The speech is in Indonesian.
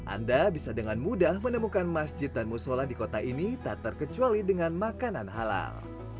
anda bisa dengan mudah menemukan masjid dan musola di kota ini tak terkecuali dengan makanan halal